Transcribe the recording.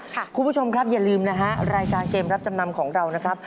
คุณผู้ชมครับอย่าลืมนะฮะรายการเกมรับจำนำของเรานะครับ